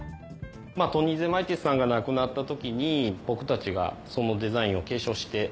トニー・ゼマイティスさんが亡くなった時に僕たちがそのデザインを継承して。